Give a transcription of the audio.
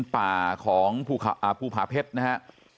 ป่าของภูผาเพชรนะฮะ